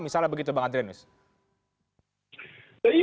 misalnya begitu bang adrian misalnya